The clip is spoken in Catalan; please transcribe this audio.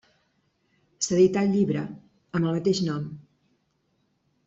S'edità el llibre, amb el mateix nom.